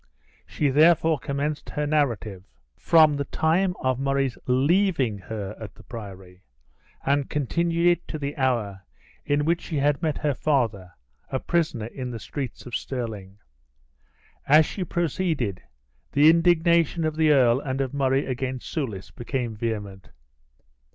She therefore commenced her narrative from the time of Murray's leaving her at the priory, and continued it to the hour in which she had met her father, a prisoner in the streets of Stirling. As she proceeded, the indignation of the earl and of Murray against Soulis became vehement.